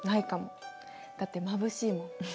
だってまぶしいもん。